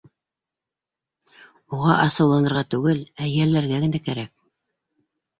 Уға асыуланырға түгел, ә йәлләргә генә кәрәк.